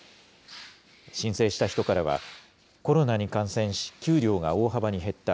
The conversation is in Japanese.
申請した人からは、コロナに感染し、給料が大幅に減った。